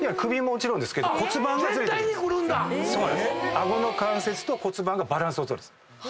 顎の関節と骨盤がバランスを取るんです。